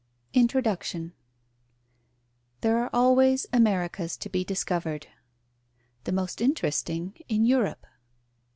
INTRODUCTION There are always Americas to be discovered: the most interesting in Europe.